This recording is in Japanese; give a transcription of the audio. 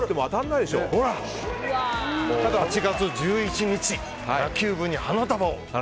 ８月１１日「野球部に花束を」